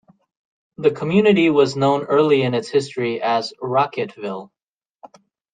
The community was known early in its history as Raquetteville.